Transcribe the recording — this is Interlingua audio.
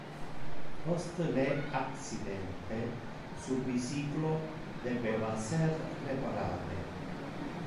Post le accidente, su bicyclo debeva ser reparate.